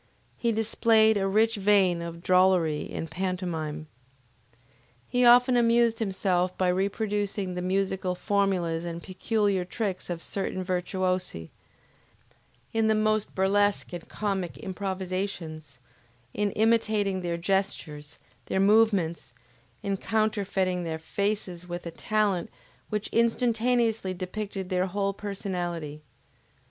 He displayed a rich vein of drollery in pantomime. He often amused himself by reproducing the musical formulas and peculiar tricks of certain virtuosi, in the most burlesque and comic improvisations, in imitating their gestures, their movements, in counterfeiting their faces with a talent which instantaneously depicted their whole personality.